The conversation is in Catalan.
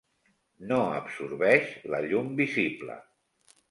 No absorbeix la llum visible.